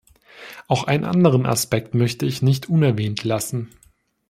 Auch einen anderen Aspekt möchte ich nicht unerwähnt lassen.